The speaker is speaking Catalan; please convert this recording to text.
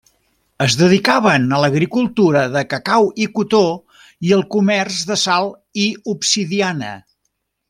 Es dedicaven a l'agricultura de cacau i cotó, i al comerç de sal i obsidiana.